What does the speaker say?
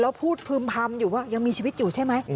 แล้วพูดพึ่มพำอยู่ว่ายังมีชีวิตอยู่ใช่ไหม